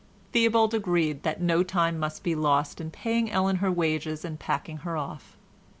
Theobald agreed that no time must be lost in paying Ellen her wages and packing her off.